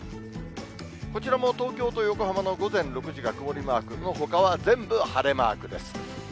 こちらも東京と横浜の午前６時が曇りマークのほかは全部晴れマークです。